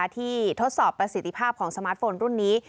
ทดสอบประสิทธิภาพของสมาร์ทโฟนรุ่นนี้